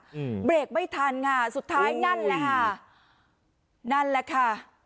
อืมเบรกไม่ทันค่ะสุดท้ายนั่นแหละค่ะนั่นแหละค่ะ